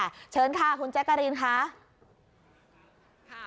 เชิญค่ะคุณแจ๊กกะรีนค่ะ